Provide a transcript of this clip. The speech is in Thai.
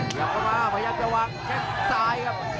กลับมาพยายามจะวางแข้งซ้ายครับ